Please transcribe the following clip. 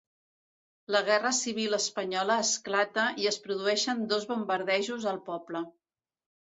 La Guerra Civil Espanyola esclata i es produeixen dos bombardejos al poble.